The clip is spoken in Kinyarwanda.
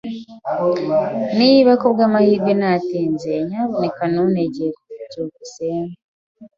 Niba kubwamahirwe natinze, nyamuneka ntuntegere. byukusenge